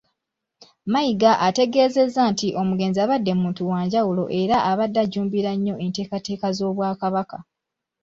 Mayiga ategeezezza nti omugenzi abadde muntu wa njawulo era abadde ajjumbira nnyo enteekateeka z'Obwakabaka.